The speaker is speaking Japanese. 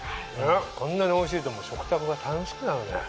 こんなにおいしいと食卓が楽しくなるね。